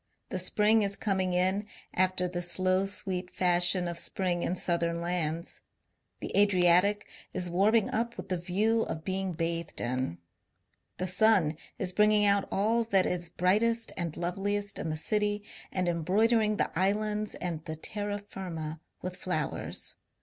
The spring is coming on after the ^'slow, sweet" fashion of spring in southern lands ; the Adriatic is warming up with the view of being bathed in ; the sun is bringing out all that is brightest and loveliest in the city and embroidering the islands and the terra firma with flowers.